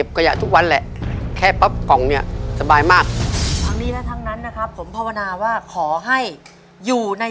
แบงค์เลี้ยงก่อน